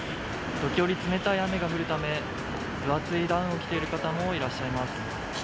時折冷たい雨が降るため、分厚いダウンを着ている方もいらっしゃいます。